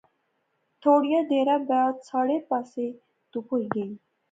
تھوڑی دیر بعد سارے پاسے تہوپ ہوئی غئی